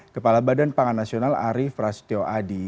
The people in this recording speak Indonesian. kepala badan pangan nasional arief rastyo adi